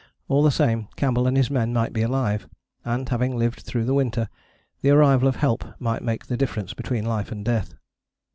All the same Campbell and his men might be alive, and, having lived through the winter, the arrival of help might make the difference between life and death.